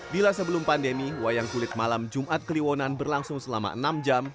bila sebelum pandemi wayang kulit malam jumat kliwonan berlangsung selama enam jam